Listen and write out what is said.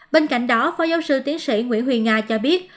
bên cạnh đó phó giáo sư tiến sĩ nguyễn huyền nga cho biết